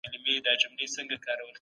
د خلګو خبري په دقت واورئ.